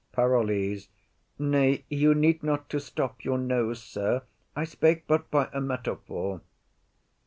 PAROLLES. Nay, you need not to stop your nose, sir. I spake but by a metaphor.